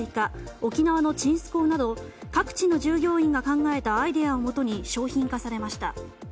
沖縄のちんすこうなど各地の従業員が考えたアイデアをもとに商品化されました。